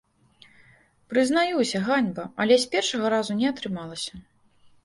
Прызнаюся, ганьба, але з першага разу не атрымалася.